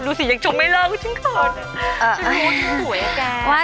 ว่าแต่ว่า